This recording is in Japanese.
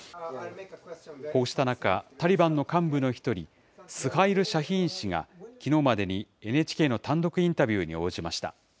こうした中、タリバンの幹部の１人、スハイル・シャヒーン氏がきのうまでにＮＨＫの単独インタビューに応じました。